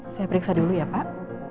saya periksa dulu ya pak